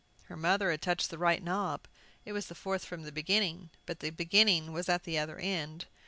Her mother had touched the right knob. It was the fourth from the beginning; but the beginning was at the other end!